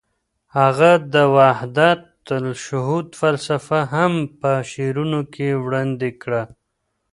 هغه د وحدت الشهود فلسفه هم په شعرونو کې وړاندې کړه.